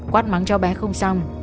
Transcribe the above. quát mắng cho bé không xong